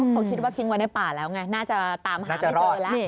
เขาคิดว่าทิ้งไว้ในป่าแล้วไงน่าจะตามหาไม่เจอแล้ว